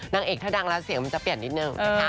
นางเอกถ้าดังแล้วเสียงมันจะเปลี่ยนนิดนึงนะคะ